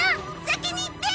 先に行って！